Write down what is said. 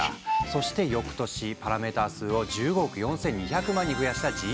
そして翌年パラメータ数を１５億４２００万に増やしたＧＰＴ−２。